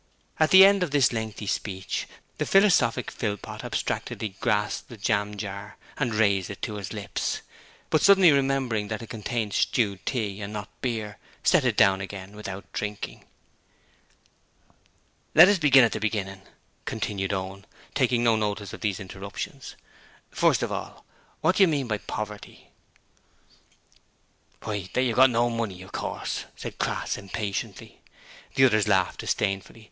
At the end of this lengthy speech, the philosophic Philpot abstractedly grasped a jam jar and raised it to his lips; but suddenly remembering that it contained stewed tea and not beer, set it down again without drinking. 'Let us begin at the beginning,' continued Owen, taking no notice of these interruptions. 'First of all, what do you mean by Poverty?' 'Why, if you've got no money, of course,' said Crass impatiently. The others laughed disdainfully.